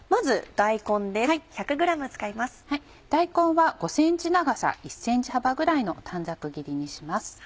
大根は５ｃｍ長さ１ｃｍ幅ぐらいの短冊切りにします。